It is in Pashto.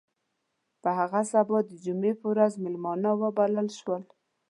په هغه سبا د جمعې په ورځ میلمانه وبلل شول.